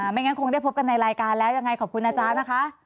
ไม่งั้นคงได้พบกันในรายการแล้วยังไงขอบคุณอาจารย์นะคะ